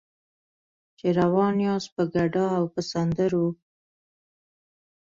چې روان یاست په ګډا او په سندرو.